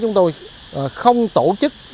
chúng tôi không tổ chức